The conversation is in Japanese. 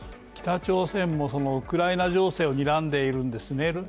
北朝鮮もウクライナ情勢をにらんでいるんですね。